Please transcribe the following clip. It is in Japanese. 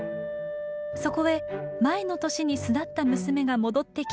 そこへ前の年に巣立った娘が戻ってきて出産。